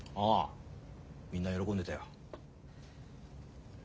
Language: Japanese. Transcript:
みんな喜んでたよ。